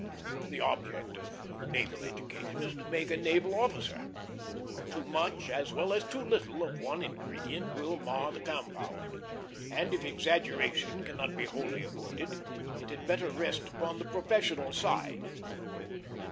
The object of naval education is to make a naval officer. Too much as well as too little of one ingredient will mar the compound; and if exaggeration cannot be wholly avoided, it had better rest upon the professional side.